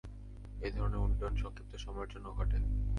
এ ধরনের উড্ডয়ন সংক্ষিপ্ত সময়ের জন্য ঘটে।